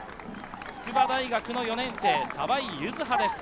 筑波大学の４年生・澤井柚葉です。